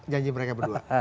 janji mereka berdua